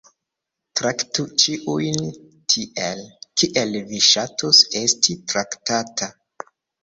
"Traktu ĉiujn tiel, kiel vi ŝatus esti traktata."